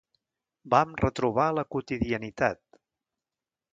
Vam retrobar la quotidianitat.